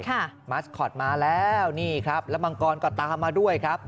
มัสคอตมาแล้วนี่ครับแล้วมังกรก็ตามมาด้วยครับ